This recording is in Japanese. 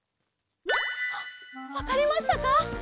わかりましたか？